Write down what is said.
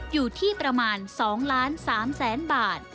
อยู่ที่ประมาณ๒ล้าน๓แสนบาท